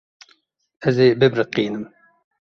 Ez ê bibiriqînim.